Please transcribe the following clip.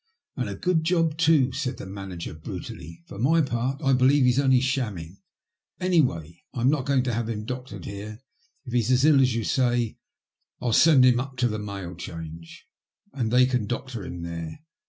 *' And a good job too," said the manager brutally. " For my part, I believe he's only shamming. Any way I'm not going to have him doctored here. If he's as ill as you say I'll send him up to the Mail Change, and they can doctor him there.